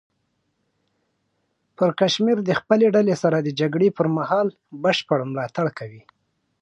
پړکمشر د خپلې ډلې سره د جګړې پر مهال بشپړ ملاتړ کوي.